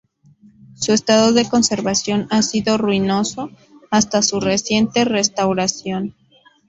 Su estado de conservación ha sido ruinoso hasta su reciente restauración.